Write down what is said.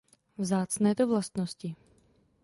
Vzácné to vlastnosti.